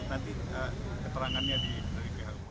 nanti keterangannya di ku